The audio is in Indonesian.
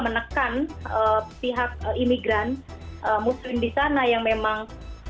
menekan pihak imigran muslim di sana yang memang